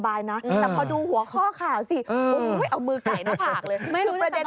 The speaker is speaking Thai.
แต่พอดูหัวข้อข่าวสิเอามือไก่หน้าผากเลย